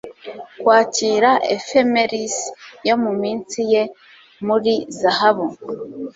kwakira ephemeris yo muminsi ye muri zahabu